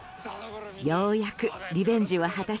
ようやく、リベンジを果たし